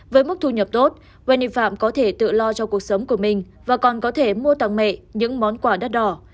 với mức thu nhập tốt veni phạm có thể tự lo cho cuộc sống của mình và còn có thể mua tặng mẹ những món quà đắt đỏ